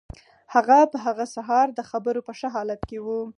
هغه په هغه سهار د خبرو په ښه حالت کې و